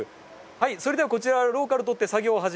それではこちらローカルとって作業を始めます。